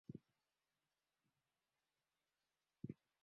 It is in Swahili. Diwani wa mtaa wa Buza wilaya ya Temeke James Rafael amewataka wakazi wa maeneo